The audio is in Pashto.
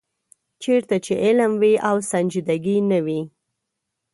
چېرته چې علم وي او سنجیدګي نه وي.